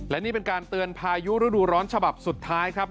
และนี่เป็นการเตือนพายุฤดูร้อนฉบับสุดท้ายครับ